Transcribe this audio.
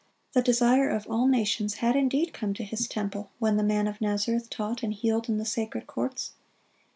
The "Desire of all nations" had indeed come to His temple when the Man of Nazareth taught and healed in the sacred courts.